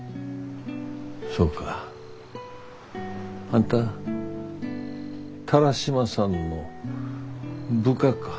そうかあんた田良島さんの部下か。